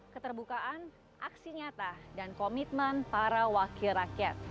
keterbukaan aksi nyata dan komitmen para wakil rakyat